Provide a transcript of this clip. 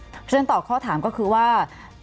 เพราะฉะนั้นตอบข้อถามก็คือว่า